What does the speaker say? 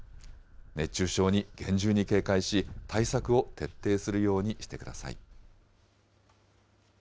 熱中症に厳重に警戒し、対策を徹底するようにしてください。